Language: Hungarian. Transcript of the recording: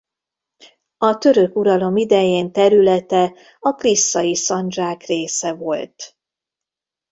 A török uralom idején területe a Klisszai szandzsák része volt.